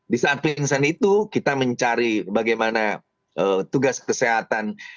di saat princent itu kita mencari bagaimana tugas kesehatan